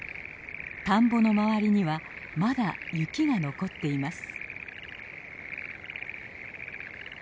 田んぼの周りにはまだ雪が残っています。